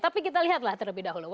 tapi kita lihatlah terlebih dahulu